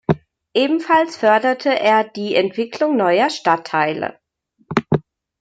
Ebenfalls förderte er die Entwicklung neuer Stadtteile.